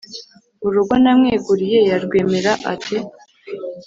urugo namweguriye yarwemera ate ?